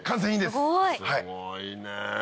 すごいね。